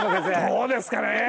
どうですかね。